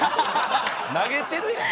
投げてるやん。